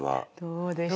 どうでしょう？